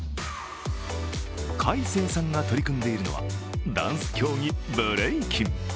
快晴さんが取り組んでいるのはダンス競技、ブレイキン。